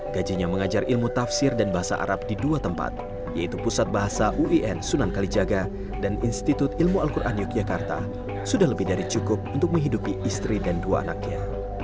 gajinya mengajar ilmu tafsir dan bahasa arab di dua tempat yaitu pusat bahasa uin sunan kalijaga dan institut ilmu al quran yogyakarta sudah lebih dari cukup untuk menghidupi istri dan dua anaknya